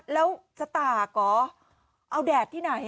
แล้วสตากเหรอเอาแดดที่ไหน